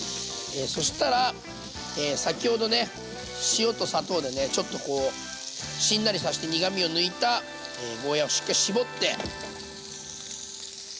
塩と砂糖でねちょっとこうしんなりさして苦みを抜いたゴーヤーをしっかり絞って。